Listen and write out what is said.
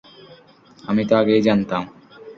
আমি তো আগেই জানতাম।